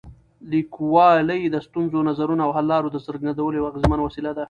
لیکوالی د ستونزو، نظرونو او حل لارو د څرګندولو یوه اغېزمنه وسیله ده.